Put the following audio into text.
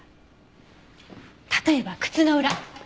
例えば靴の裏。